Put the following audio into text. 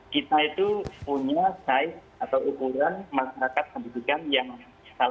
kita itu punya size atau ukuran masyarakat yang sangat besar